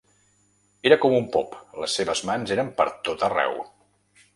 Era com un pop, les seves mans eren per tot arreu.